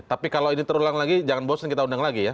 tapi kalau ini terulang lagi jangan bosan kita undang lagi ya